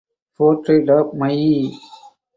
Portrait of Mlle.